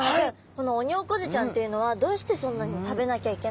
このオニオコゼちゃんっていうのはどうしてそんなに食べなきゃいけないんですか？